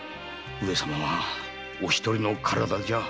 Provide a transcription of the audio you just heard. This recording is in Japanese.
上様はお一人のお体じゃ。